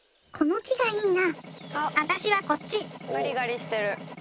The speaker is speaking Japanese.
ガリガリしてる。